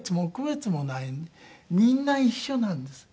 みんな一緒なんです。